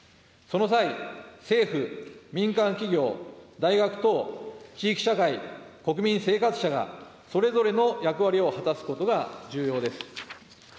その際、政府、民間企業、大学等、地域社会、国民、生活者がそれぞれの役割を果たすことが重要です。